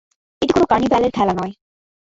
এটা কোনো কার্নিভ্যালের খেলা নয়।